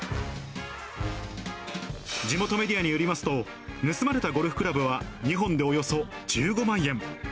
地元メディアによりますと、盗まれたゴルフクラブは２本でおよそ１５万円。